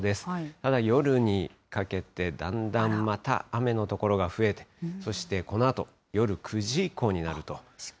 ただ、夜にかけてだんだんまた雨の所が増えて、そしてこのあと、夜９時以降になると。